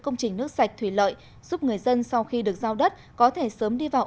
công trình nước sạch thủy lợi giúp người dân sau khi được giao đất có thể sớm đi vào